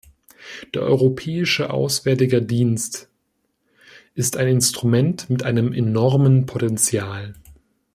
Der Europäische Auswärtiger Dienst ist ein Instrument mit einem enormen Potenzial.